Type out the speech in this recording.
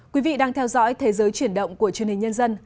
quý vị đang theo dõi thế giới chuyển động của truyền hình nhân dân